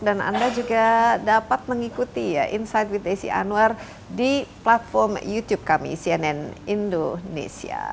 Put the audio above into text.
dan anda juga dapat mengikuti ya insight with desi anwar di platform youtube kami cnn indonesia